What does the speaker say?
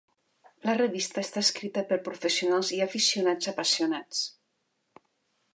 La revista està escrita per professionals i aficionats apassionats.